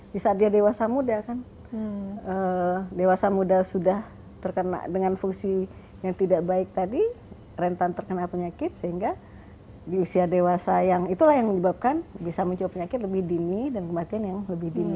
di saat dia dewasa muda kan dewasa muda sudah terkena dengan fungsi yang tidak baik tadi rentan terkena penyakit sehingga di usia dewasa yang itulah yang menyebabkan bisa muncul penyakit lebih dini dan kematian yang lebih dini